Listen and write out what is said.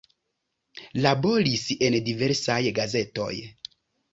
Laboris en diversaj gazetoj.